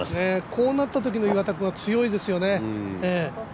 こうなったときの岩田君は強いですよね。